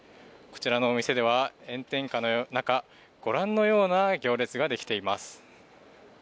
こちらのお店では炎天下の中ご覧のような行列ができています。